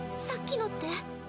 さっきのって？